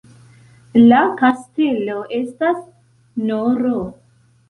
La kastelo estas nr.